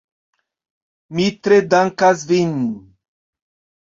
Mi tre dankas vin.